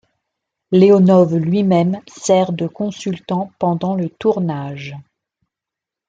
Leonov lui-même sert de consultant pendant le tournage.